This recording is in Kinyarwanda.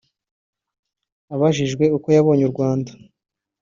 Abajijwe uko yabonye u Rwanda